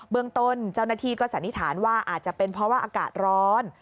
เมืองต้นเจ้าหน้าที่ก็สันนิษฐานว่าอาจจะเป็นเพราะว่าอากาศร้อน